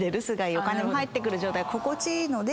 お金も入ってくる状態が心地いいので。